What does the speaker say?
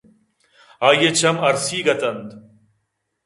آئی ءِ چم ارسیگ اِت اَنت